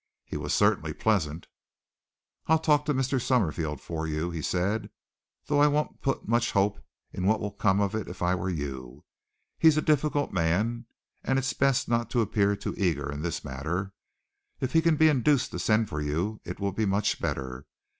He was certainly pleasant. "I'll talk to Mr. Summerfield for you," he said, "though I wouldn't put much hope in what will come of it if I were you. He's a difficult man and it's best not to appear too eager in this matter. If he can be induced to send for you it will be much better.